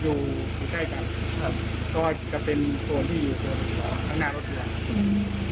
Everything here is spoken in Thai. อยู่ใกล้กันครับก็จะเป็นส่วนที่อยู่ข้างหน้ารถเรือครับ